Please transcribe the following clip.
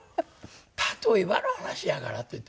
「例えばの話やから」って言って。